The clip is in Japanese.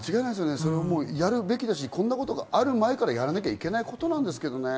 それはやるべきだし、こんなことがある前にやらなきゃいけないことなんですけどね。